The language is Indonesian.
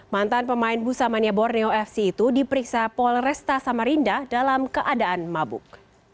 mantan pemain busamania borneo fc itu diperiksa polresta samarinda dalam keadaan mabuk